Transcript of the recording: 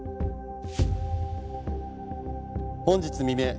本日未明